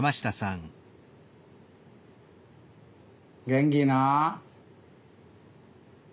元気なん？